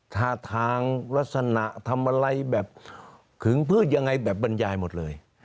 ท่าทางลักษณะทำอะไรแบบขึงพืชยังไงแบบบรรยายหมดเลย